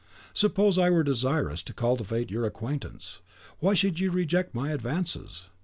"Suppose I were desirous to cultivate your acquaintance, why should you reject my advances?"